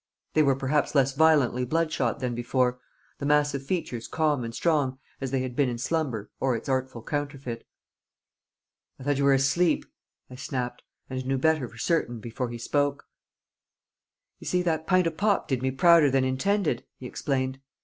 They were perhaps less violently bloodshot than before, the massive features calm and strong as they had been in slumber or its artful counterfeit. "I thought you were asleep?" I snapped, and knew better for certain before he spoke. "You see, that pint o' pop did me prouder than intended," he explained.